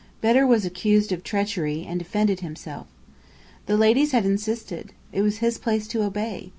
Bedr was accused of treachery, and defended himself. The ladies had insisted. It was his place to obey.